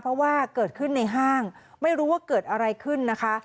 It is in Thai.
เพราะว่าเกิดขึ้นในห้างไม่รู้ว่าเกิดอะไรขึ้นนะคะ